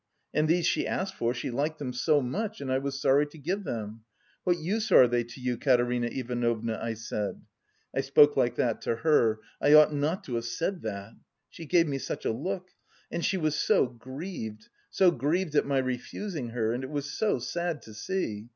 And these she asked for, she liked them so much. And I was sorry to give them. 'What use are they to you, Katerina Ivanovna?' I said. I spoke like that to her, I ought not to have said that! She gave me such a look. And she was so grieved, so grieved at my refusing her. And it was so sad to see....